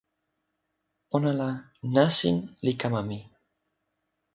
pona la, nasin li kama mi.